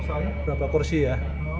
berapa kursi ya